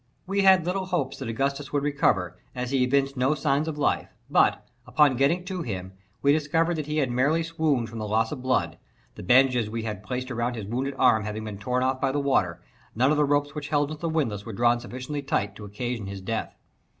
We had little hopes that Augustus would recover, as he evinced no signs of life; but, upon getting to him, we discovered that he had merely swooned from the loss of blood, the bandages we had placed around his wounded arm having been torn off by the water; none of the ropes which held him to the windlass were drawn sufficiently tight to occasion his death.